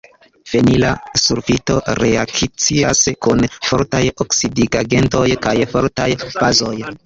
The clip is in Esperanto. Fenila sulfito reakcias kun fortaj oksidigagentoj kaj fortaj bazoj.